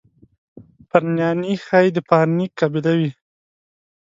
پرنیاني ښایي د پارني قبیله وي.